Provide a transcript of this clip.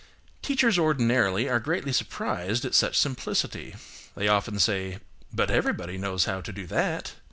Teachers ordinarily are greatly surprised at such simplicity. They often say, "But everybody knows how to do that!"